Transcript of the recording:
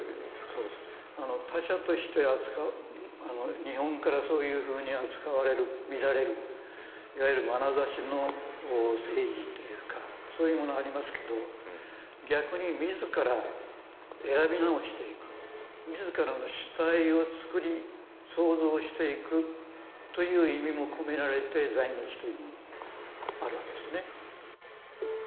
そうです、他者として日本からそういうふうに扱われる、見られる、いわゆるまなざしの政治というか、そういうものありますけど、逆に自ら、選び直していく、自らの主体を作り創造していく、そういう意味も込められて在日という、あるわけですね。